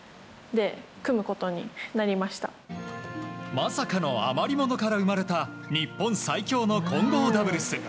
まさかの余り物から生まれた日本最強の混合ダブルス。